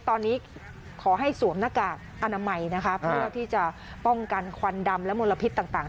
ตอนนี้ขอให้สวมหน้ากากอนามัยนะคะเพื่อที่จะป้องกันควันดำและมลพิษต่าง